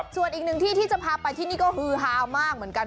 ส่วนอีกหนึ่งที่ที่จะพาไปที่นี่ก็ฮือฮามากเหมือนกัน